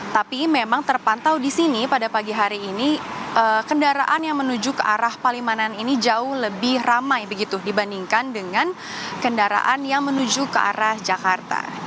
tapi memang terpantau di sini pada pagi hari ini kendaraan yang menuju ke arah palimanan ini jauh lebih ramai dibandingkan dengan kendaraan yang menuju ke arah jakarta